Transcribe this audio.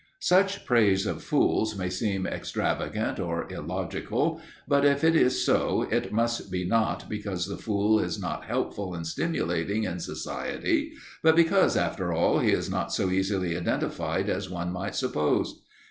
Such praise of fools may seem extravagant or illogical, but if it is so, it must be not because the fool is not helpful and stimulating in society, but because, after all, he is not so easily identified as one might suppose.